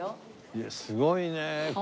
いやすごいね。